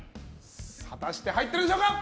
果たして入ってるでしょうか。